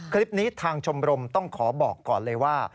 คลิปนี้ทางชมรมต้องขอบอกก่อนเลยว่า